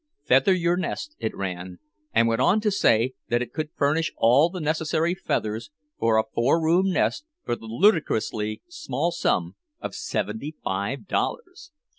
"Feather your nest," it ran—and went on to say that it could furnish all the necessary feathers for a four room nest for the ludicrously small sum of seventy five dollars.